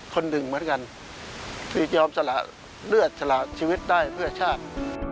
คนหนึ่งเหมือนกันที่ยอมสละเลือดสละชีวิตได้เพื่อชาติ